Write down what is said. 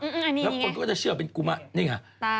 อื้ออออนี่ไงแล้วคนก็จะเชื่อเป็นกุมะนี่ไง